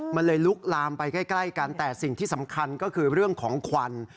มันเลยลุกลามไปใกล้กันแต่สิ่งที่สำคัญก็คือเรื่องของควัน